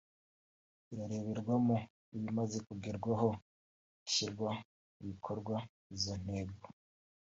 irareberwamo ibimaze kugerwaho hashyirwa mu bikorwa izo ntego